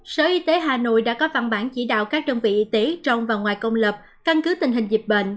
sở y tế hà nội đã có văn bản chỉ đạo các đơn vị y tế trong và ngoài công lập căn cứ tình hình dịch bệnh